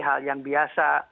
seperti hal yang biasa